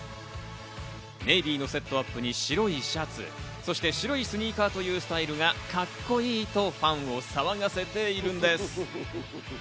ネイビーのセットアップに白いシャツ、そして白いスニーカーというスタイルがカッコいいとファンを騒がせているんです。